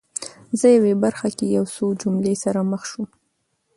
زه یوې برخه کې یو څو جملو سره مخ شوم